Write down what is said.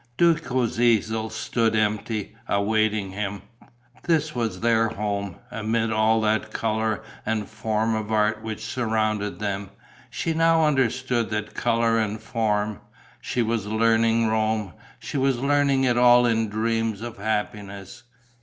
Duco's easel stood empty, awaiting him. This was their home, amid all that colour and form of art which surrounded them. She now understood that colour and form; she was learning Rome. She was learning it all in dreams of happiness.